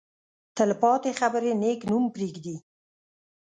تل پاتې خبرې نېک نوم پرېږدي.